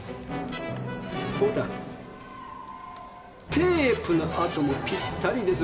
テープの跡もぴったりです。